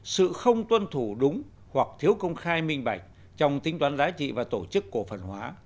sự không tuân thủ đúng hoặc thiếu công khai minh bạch trong tính toán giá trị và tổ chức cổ phần hóa